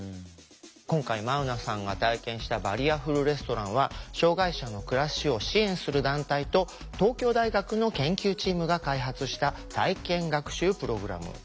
今回眞生さんが体験したバリアフルレストランは障害者の暮らしを支援する団体と東京大学の研究チームが開発した体験学習プログラムでした。